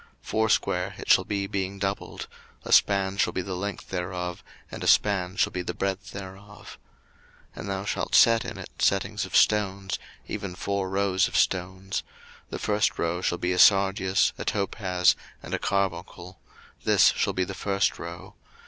02:028:016 Foursquare it shall be being doubled; a span shall be the length thereof, and a span shall be the breadth thereof. 02:028:017 And thou shalt set in it settings of stones, even four rows of stones: the first row shall be a sardius, a topaz, and a carbuncle: this shall be the first row.